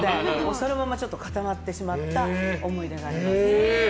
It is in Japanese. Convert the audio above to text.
そのまま固まってしまった思い出があります。